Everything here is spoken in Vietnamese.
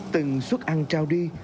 từng xuất ăn trao đi